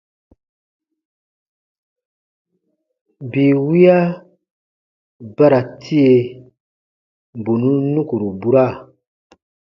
Bii wiya ba ra tie, bù nùn nukuru bura.